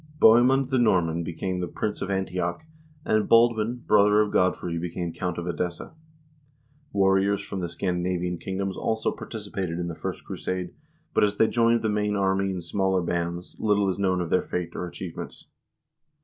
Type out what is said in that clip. Bohe mund the Norman became Prince of Antioch, and Baldwin, brother of Godfrey, became Count of Edessa. Warriors from the Scandina vian kingdoms also participated in the first crusade, but as they joined the main army in smaller bands, little is known of their fate or achievements.